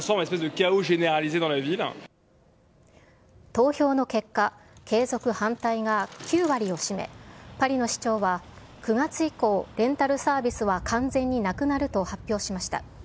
投票の結果、継続反対が９割を占め、パリの市長は、９月以降、レンタルサービスは完全になくなると発表しました。